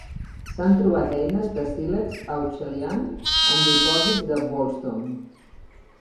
S'han trobat eines de sílex Acheulian en dipòsits de Wolston.